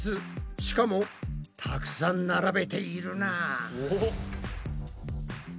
しかもたくさん並べているな。